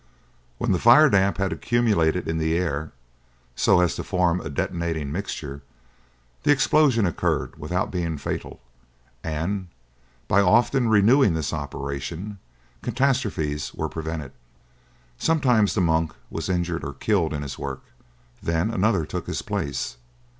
When the firedamp had accumulated in the air, so as to form a detonating mixture, the explosion occurred without being fatal, and, by often renewing this operation, catastrophes were prevented. Sometimes the 'monk' was injured or killed in his work, then another took his place.